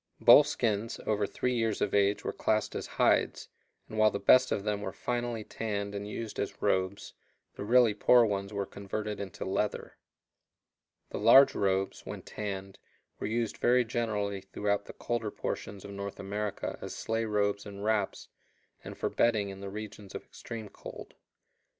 Bull skins over three years of age were classed as hides, and while the best of them were finally tanned and used as robes, the really poor ones were converted into leather. The large robes, when tanned, were used very generally throughout the colder portions of North America as sleigh robes and wraps, and for bedding in the regions of extreme cold.